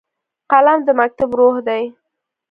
قلم د مکتب روح دی